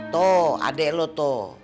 tuh adek lu tuh